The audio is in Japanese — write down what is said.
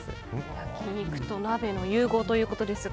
焼き肉と鍋の融合ということですが。